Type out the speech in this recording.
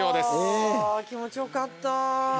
気持ちよかった。